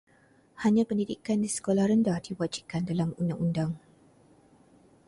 Hanya pendidikan di sekolah rendah diwajibkan dalam undang-undang.